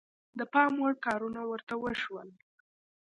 د پام وړ کارونه ورته وشول.